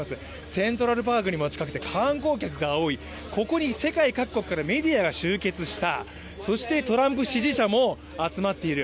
セントラルパークにも近くて観光客も多い、ここに世界各国からメディアが集結した、そしてトランプ支持者も集まっている。